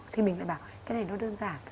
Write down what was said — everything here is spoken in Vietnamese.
thì mình lại bảo cái này nó đơn giản